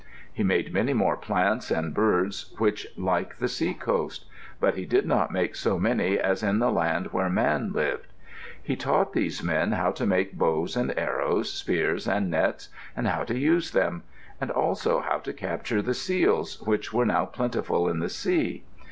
He made many more plants and birds which like the seacoast, but he did not make so many as in the land where Man lived. He taught these men how to make bows and arrows, spears and nets, and how to use them; and also how to capture the seals, which were now plentiful in the sea.